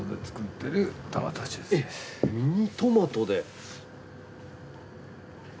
えっミニトマトで！